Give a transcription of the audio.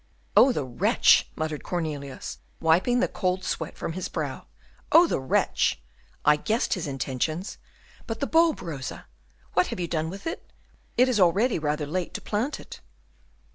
"Oh, the wretch!" muttered Cornelius, wiping the cold sweat from his brow. "Oh, the wretch! I guessed his intentions. But the bulb, Rosa; what have you done with it? It is already rather late to plant it."